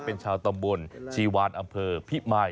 เป็นชาวตำบลชีวานอำเภอพิมาย